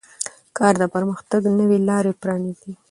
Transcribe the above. کار د پرمختګ نوې لارې پرانیزي